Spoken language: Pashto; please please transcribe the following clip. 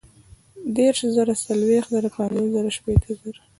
دېرش زره ، څلوېښت زره ، پنځوس زره ، شپېته زره